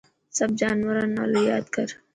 سڀ جانوران رو نالو ياد ڪر.